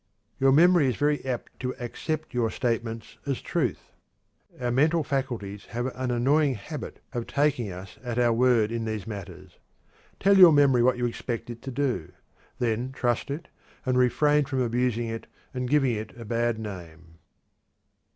Your memory is very apt to accept your statements as truth; our mental faculties have an annoying habit of taking us at our word in these matters. Tell your memory what you expect it to do; then trust it and refrain from abusing it and giving it a bad name.